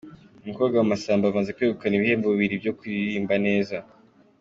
Umukobwa wa Masamba amaze kwegukana ibihembo bibiri byo kuririmba neza